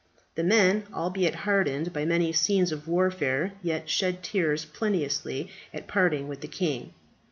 The men, albeit hardened by many scenes of warfare, yet shed tears plenteously at parting with the king.